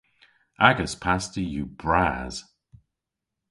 Agas pasti yw bras.